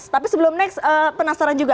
tapi sebelum next penasaran juga